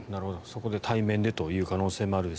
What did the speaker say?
そこで対面でという可能性もあると。